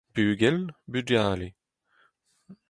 bugel, bugale